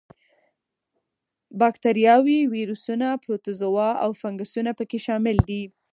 با کتریاوې، ویروسونه، پروتوزوا او فنګسونه په کې شامل دي.